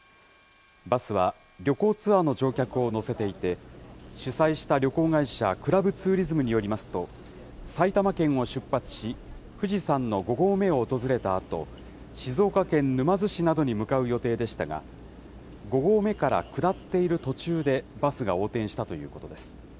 バスは旅行ツアーの乗客を乗せていて、主催した旅行会社、クラブツーリズムによりますと、埼玉県を出発し、富士山の５合目を訪れたあと、静岡県沼津市などに向かう予定でしたが、５合目から下っている途中でバスが横転したということです。